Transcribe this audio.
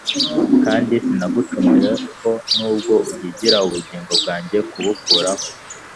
kandi sinagucumuyeho nubwo uhigira ubugingo bwanjye kubukuraho.